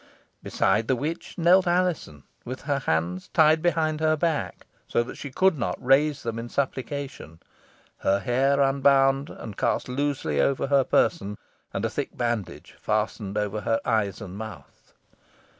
Beside the witch knelt Alizon, with her hands tied behind her back, so that she could not raise them in supplication; her hair unbound, and cast loosely over her person, and a thick bandage fastened over her eyes and mouth.